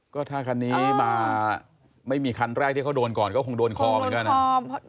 ก็ถ้าคันนี้มาไม่มีคันแรกที่เขาโดนก่อนก็คงโดนคอเหมือนกันนะ